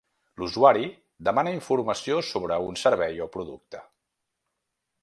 L'usuari demana informació sobre un servei o producte.